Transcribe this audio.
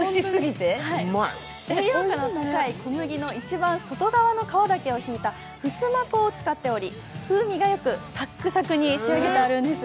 栄養価の高い小麦の一番外側だけを使ったふすま粉を使っており、風味がよくサックサクに仕上げてあるんです。